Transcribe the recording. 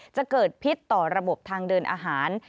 จะเกิดพิษต่อระบบทางเดินอาหาร